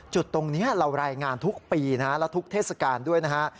จุดตรงนี้เรารายงานทุกปีนะฮะและทุกเทศกาลด้วยนะฮะ